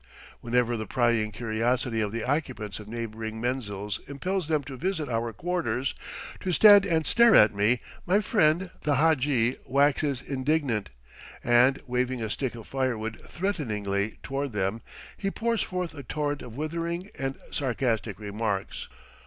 Whenever the prying curiosity of the occupants of neighboring menzils impels them to visit our quarters, to stand and stare at me, my friend the hadji waxes indignant, and, waving a stick of firewood threateningly toward them, he pours forth a torrent of withering and sarcastic remarks.